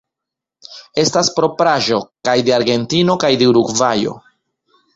Estas propraĵo kaj de Argentino kaj de Urugvajo.